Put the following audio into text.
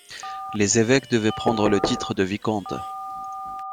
Les évêques devaient prendre le titre de vicomte.